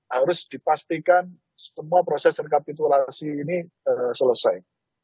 harus dipastikan semua proses rekapitulasi ini selesai